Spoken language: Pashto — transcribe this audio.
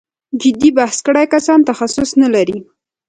جدي بحث کړی کسان تخصص نه لري.